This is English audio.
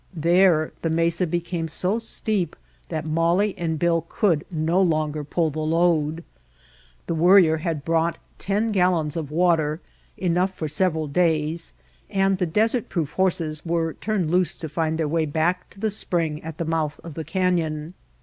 There the mesa became so steep that Molly and Bill could no longer pull the load. The Worrier had brought ten gallons of water, enough for several days, and the "desert proof" horses were turned loose to find their way back to the spring at the mouth of the canyon.